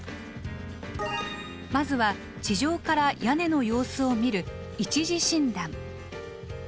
まずは地上から屋根の様子を診る一次診断。